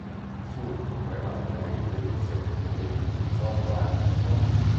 Si nutre prevalentemente di insetti e di zooplancton.